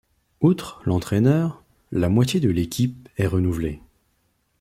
Outre l'entraîneur, la moitié de l'équipe est renouvelée.